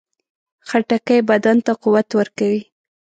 خټکی بدن ته قوت ورکوي.